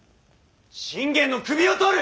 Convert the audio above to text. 信玄の首を取る！